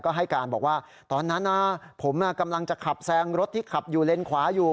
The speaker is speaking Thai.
ก็ให้การบอกว่าตอนนั้นนะผมกำลังจะขับแซงรถที่ขับอยู่เลนขวาอยู่